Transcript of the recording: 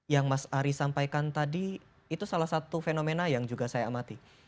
yang mas ari sampaikan tadi itu salah satu fenomena yang juga saya amati